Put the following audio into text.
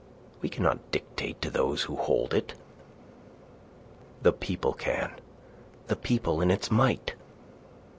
We cannot dictate to those who hold it." "The people can the people in its might."